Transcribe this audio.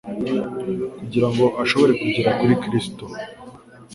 kugira ngo ashobore kugera kuri Kristo.